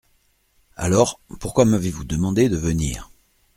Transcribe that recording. Alors, pourquoi m’avez-vous demandé de venir ?